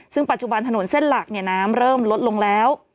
ซึ่งปัจจุบันถนนเส้นหลักน้ำเริ่มลดลงแล้ว